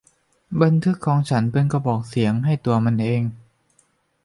บันทึกของฉันเป็นกระบอกเสียงให้ตัวมันเอง